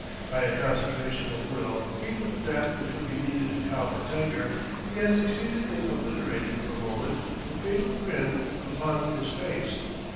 By a concentration of will equal to that which would be needed to cow a tiger, he had succeeded in obliterating for a moment the fatal grin upon his face.